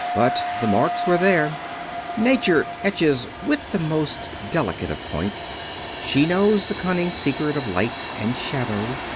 But the marks were there. Nature etches with the most delicate of points. She knows the cunning secret of light and shadow.